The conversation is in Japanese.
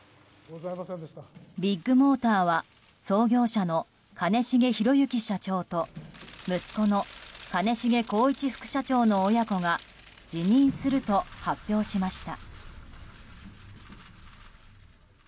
ビッグモーターは創業者の兼重宏行社長と息子の兼重宏一副社長の親子が辞任すると発表しました。